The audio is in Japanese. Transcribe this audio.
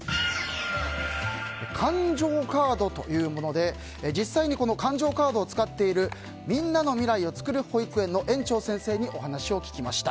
感情カードというもので実際に感情カードを使っているみんなのみらいをつくる保育園の園長先生にお話を聞きました。